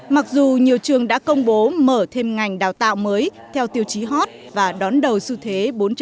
mặc dù nhiều trường đã công bố mở thêm ngành đào tạo mới theo tiêu chí hot và đón đầu xu thế bốn